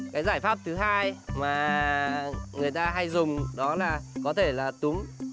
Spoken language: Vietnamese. cái giải pháp thứ hai mà người ta hay dùng đó là có thể là túng